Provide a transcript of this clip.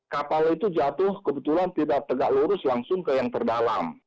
kapal itu jatuh kebetulan tidak tegak lurus langsung ke yang terdalam